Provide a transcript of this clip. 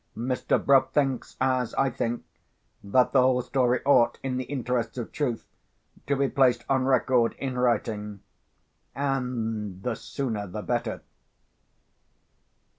Mr. Bruff thinks as I think, that the whole story ought, in the interests of truth, to be placed on record in writing—and the sooner the better."